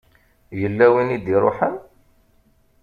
Yella win i d-iṛuḥen?